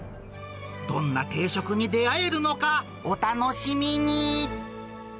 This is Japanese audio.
どんな定食に出会えるのか、お楽しみに。